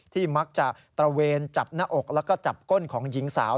มักจะตระเวนจับหน้าอกแล้วก็จับก้นของหญิงสาว